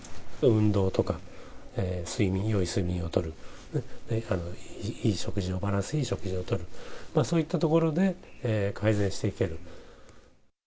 運動とか睡眠、よい睡眠を取る、いい食事を、バランスのいい食事をとる、そういったところで改善していける。